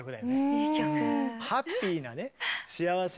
いい曲。